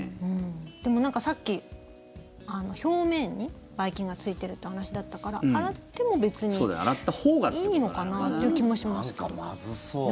でも、さっき表面にばい菌がついているという話だったから洗っても別にいいのかなという気もしますけど。